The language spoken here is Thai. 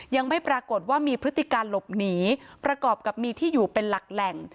ยังไม่ปรากฏว่ามีพฤติการหลบหนีประกอบกับมีที่อยู่เป็นหลักแหล่ง